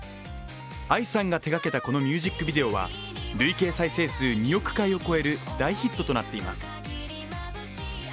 藍さんが手がけた、このミュージックビデオは累計再生数２億回を超える大ヒットとなっています。